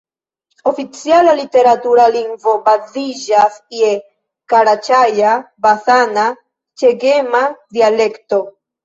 Oficiala literatura lingvo baziĝas je karaĉaja-basana-ĉegema dialekto.